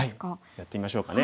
やってみましょうかね。